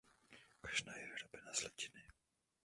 Kašna je vyrobena z litiny.